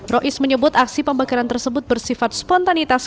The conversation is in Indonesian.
rois menyebut aksi pembakaran tersebut bersifat spontanitas